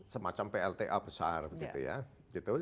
semacam plta besar gitu ya